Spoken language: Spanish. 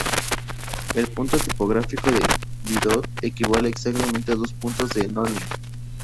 El punto tipográfico de Didot equivale exactamente a dos puntos de nonio.